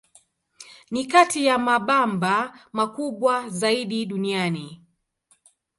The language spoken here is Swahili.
Ni kati ya mabamba makubwa zaidi duniani.